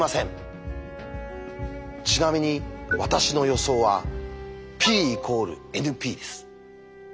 ちなみに私の予想はＰ＝ＮＰです。